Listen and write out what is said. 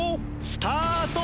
スタート！